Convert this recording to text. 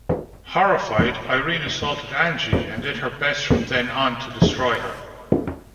Horrified, Irene assaulted Angie and did her best from then on to destroy her.